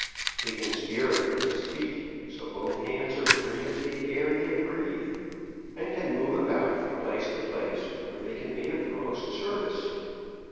He can steer it with his feet, so both hands are free as the air they breathe, and can move about from place to place, where they can be of the most service.